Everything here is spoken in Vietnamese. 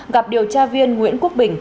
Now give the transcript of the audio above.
gặp điều tra viên nguyễn quốc bình